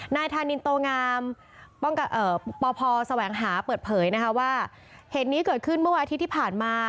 นายธานินโตงามปพแสวงหาเปิดเผยนะคะว่าเหตุนี้เกิดขึ้นเมื่อวันอาทิตย์ที่ผ่านมา